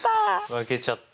負けちゃった。